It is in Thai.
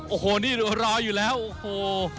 โอ้โหนี่รออยู่แล้วโอ้โห